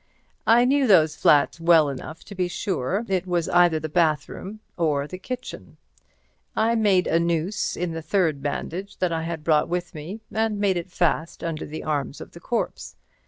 I knew those flats well enough to be sure it was either the bathroom or the kitchen. I made a noose in a third bandage that I had brought with me, and made it fast under the arms of the corpse.